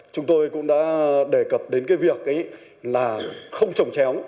chúng tôi cũng đã đề cập đến việc không trồng chéo